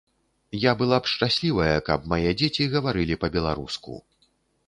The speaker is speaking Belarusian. Я была б шчаслівая, каб мае дзеці гаварылі па-беларуску.